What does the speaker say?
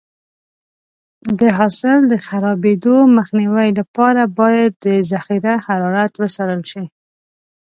د حاصل د خرابېدو مخنیوي لپاره باید د ذخیره حرارت وڅارل شي.